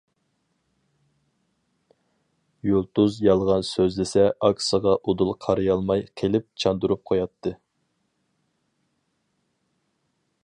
يۇلتۇز يالغان سۆزلىسە ئاكىسىغا ئۇدۇل قارىيالماي قېلىپ چاندۇرۇپ قوياتتى.